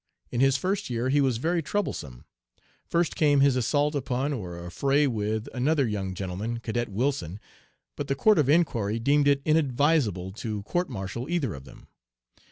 In his first year he was very troublesome. First came his assault upon, or affray with, another young gentleman (Cadet Wilson), but the Court of Inquiry deemed it inadvisable to court martial either of them.